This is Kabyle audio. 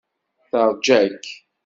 Teṛja-k.